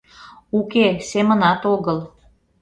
Уке, семынат огыл!